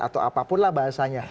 atau apapun lah bahasanya